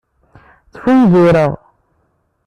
Ttfunzureɣ.